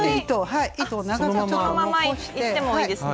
そのままいってもいいんですね。